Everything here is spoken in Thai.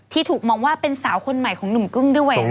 ถูกมองว่าเป็นสาวคนใหม่ของหนุ่มกึ้งด้วย